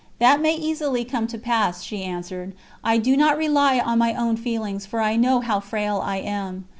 "That may easily come to pass," she answered; "I do not rely on my own feelings, for I know how frail I am.